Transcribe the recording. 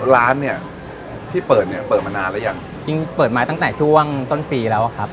ร้านเนี้ยที่เปิดเนี่ยเปิดมานานแล้วยังจริงเปิดมาตั้งแต่ช่วงต้นปีแล้วครับ